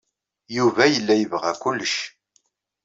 Yuba yella yebɣa kullec.